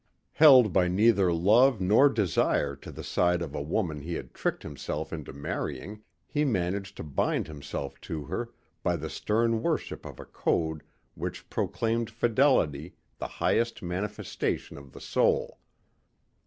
Held by neither love nor desire to the side of a woman he had tricked himself into marrying, he managed to bind himself to her by the stern worship of a code which proclaimed fidelity the highest manifestation of the soul.